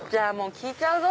聞いちゃうぞ！